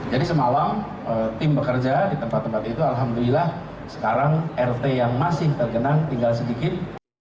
jadi semalam tim bekerja di tempat tempat itu alhamdulillah sekarang rt yang masih terkenang tinggal sedikit